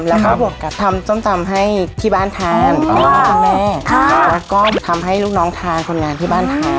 แล้วก็บวกกับทำส้มตำให้ที่บ้านทานคุณพ่อคุณแม่แล้วก็ทำให้ลูกน้องทานคนงานที่บ้านทาน